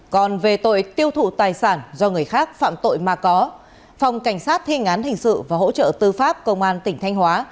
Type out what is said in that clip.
còn về tội tiêu thụ tài sản do người khác phạm tội mà có phòng cảnh sát thiên án hình sự và hỗ trợ tư pháp công an tỉnh thanh hóa